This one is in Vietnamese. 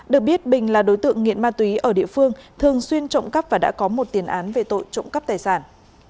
được biết bình là đối tượng nghiện ma túy ở địa phương thường xuyên trộm cắp và đã có một tiền án về tội trộm cắp tài sản